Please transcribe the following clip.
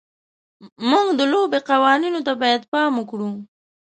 موږ د لوبې قوانینو ته باید پام وکړو.